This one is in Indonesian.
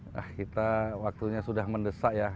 nah kita waktunya sudah mendesak ya